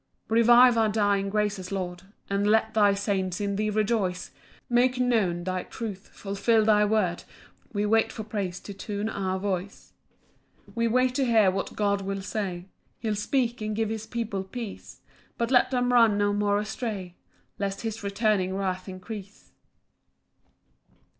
3 Revive our dying graces, Lord, And let thy saints in thee rejoice; Make known thy truth, fulfil thy word, We wait for praise to tune our voice. 4 We wait to hear what God will say; He'll speak, and give his people peace; But let them run no more astray, Lest his returning wrath increase.